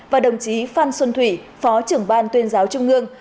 và đồng chí phan xuân thủy phó trưởng ban tuyên giáo trung ương